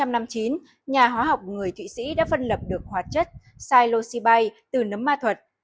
năm một nghìn chín trăm năm mươi chín nhà khoa học người thụy sĩ đã phân lập được hoạt chất xyloxipide từ nấm ma thuật